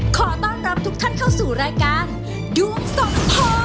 ขอต้อนรับทุกท่านเข้าสู่รายการดวงสมพร